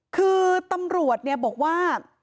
คือตำรวจบอกว่า